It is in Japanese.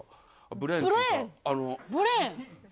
ブレーン？